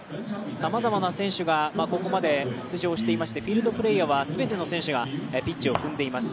さまざまな選手がここまで出場していましてフィールドプレーヤーはすべての選手がピッチを踏んでいます。